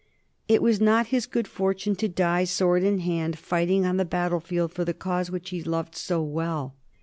It was not his good fortune to die sword in hand fighting on the battle field for the cause which he loved so well.